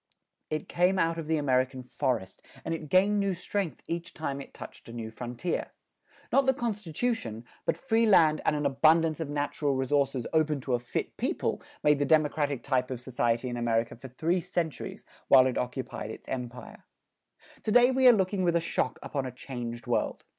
It came out of the American forest, and it gained new strength each time it touched a new frontier. Not the constitution, but free land and an abundance of natural resources open to a fit people, made the democratic type of society in America for three centuries while it occupied its empire. To day we are looking with a shock upon a changed world.